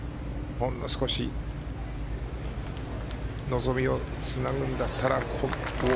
ほんの少し望みをつなぐんだったら。